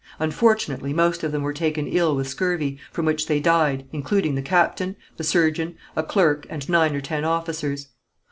Unfortunately, most of them were taken ill with scurvy, from which they died, including the captain, the surgeon, a clerk and nine or ten officers.